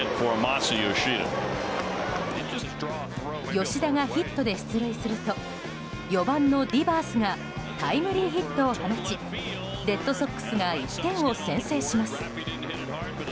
吉田がヒットで出塁すると４番のディバースがタイムリーヒットを放ちレッドソックスが１点を先制します。